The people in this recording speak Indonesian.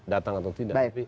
datang atau tidak